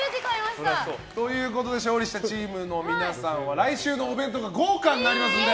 勝利したチームの皆さんは来週のお弁当が豪華になりますんで。